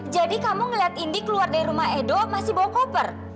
jadi kamu ngeliat indi keluar dari rumah edo masih bawa koper